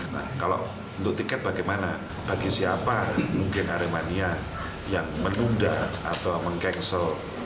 nah kalau untuk tiket bagaimana bagi siapa mungkin aremania yang menunda atau meng cancel